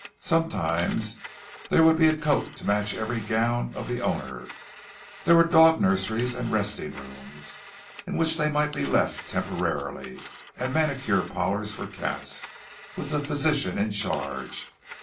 Sometimes there would be a coat to match every gown of the owner. There were dog nurseries and resting rooms, in which they might be left temporarily; and manicure parlours for cats, with a physician in charge.